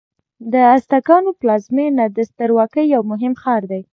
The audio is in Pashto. د ازتکانو پلازمینه د سترواکۍ یو مهم ښار و.